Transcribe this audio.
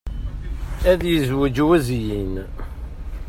Ad yezweǧ wuzyin.